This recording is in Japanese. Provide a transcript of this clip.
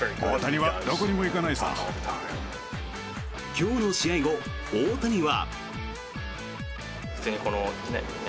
今日の試合後、大谷は。